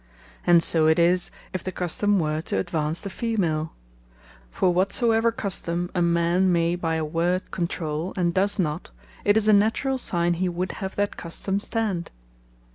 And so it is if the Custome were to advance the Female. For whatsoever Custome a man may by a word controule, and does not, it is a naturall signe he would have that Custome stand.